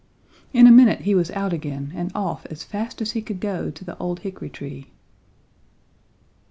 In a minute he was out again and off as fast as he could go to the old hickory tree.